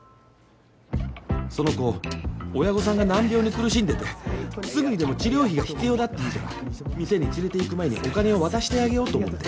その子親御さんが難病に苦しんでてすぐにでも治療費が必要だって言うから店に連れて行く前にお金を渡してあげようと思って。